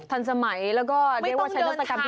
ทันสมัยแล้วก็ได้ว่าใช้โทรศักดิ์ที่บางรกรม